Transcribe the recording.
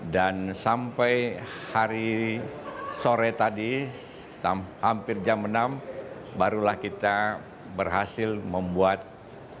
dan sampai hari sore tadi hampir jam enam barulah kita berhasil membuat penelitian